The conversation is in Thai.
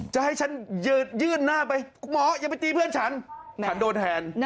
จะให้ฉันยื่นหน้าไปคุณหมออย่าไปตีเพื่อนฉันฉันโดนแทน